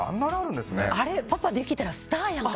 あれパパができたらスターやんか。